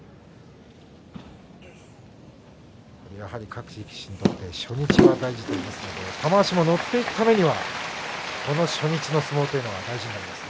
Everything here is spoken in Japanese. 各力士にとって初日は大事ということですが玉鷲も乗っていくためには、この初日の相撲というのが大事になります。